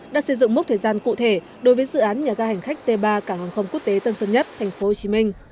đã xây dựng mốc thời gian cụ thể đối với dự án nhà ga hành khách t ba cảng hàng không quốc tế tân sơn nhất tp hcm